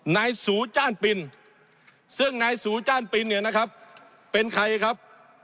นายสูจ้านปินซึ่งนายสูจ้านปินเนี่ยนะครับเป็นใครครับ